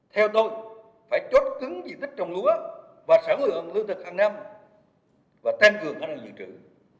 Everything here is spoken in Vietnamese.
theo tôi phải chốt cứng dịch tích trồng lúa và sản lượng lương thực hàng năm và tên cường an ninh lương thực